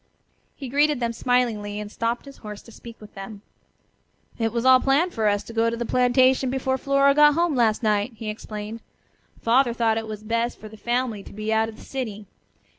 He greeted them smilingly, and stopped his horse to speak with them. "It was all planned for us to go to the plantation before Flora got home last night," he explained. "Father thought it was best for the family to be out of the city.